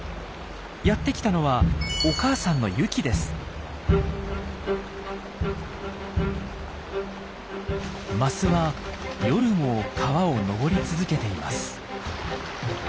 やってきたのはお母さんのマスは夜も川を登り続けています。